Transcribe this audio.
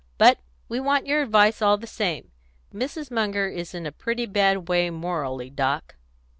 "But we want your advice all the same. Mrs. Munger is in a pretty bad way morally, Doc."